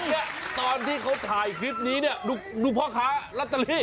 เฮี่ยตอนที่เขาถ่ายคลิปนี้เนี่ยดูพ่อขารัตตาลี